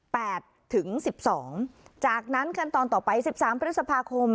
ถึงสิบสองจากนั้นขั้นตอนต่อไปสิบสามพฤษภาคม